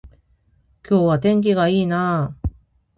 今日は天気が良いなあ